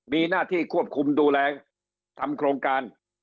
มีหน้าที่ควบคุมดูแลทำโครงการ